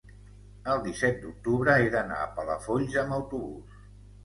el disset d'octubre he d'anar a Palafolls amb autobús.